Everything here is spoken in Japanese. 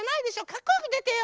かっこよくでてよ。